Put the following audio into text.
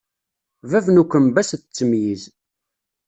Bab n ukembas d ttemyiz.